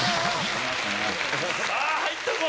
さぁ入ったぞ！